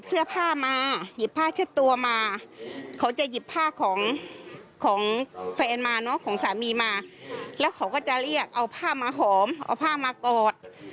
เราก็จะเรียกเอาผ้ามาหอมเอาผ้ามากอด